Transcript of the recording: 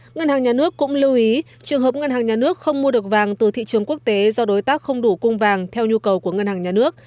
ngân hàng nhà nước cũng lưu ý trường hợp ngân hàng nhà nước không mua được vàng từ thị trường quốc tế do đối tác không đủ cung vàng theo nhu cầu của ngân hàng nhà nước